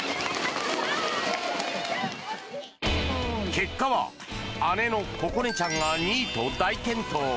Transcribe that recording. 結果は姉の心寧ちゃんが２位と大健闘。